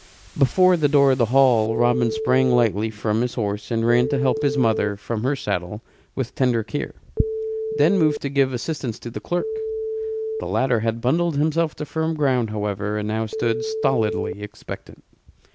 Before the door of the hall Robin sprang lightly from his horse and ran to help his mother from her saddle with tender care: then moved to give assistance to the clerk. The latter had bundled himself to firm ground, however, and now stood stolidly expectant.